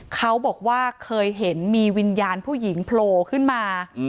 เขาบอกว่าเคยเห็นมีวิญญาณผู้หญิงโผล่ขึ้นมา